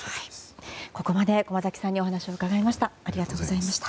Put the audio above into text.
ここまで駒崎さんにお話を伺いました。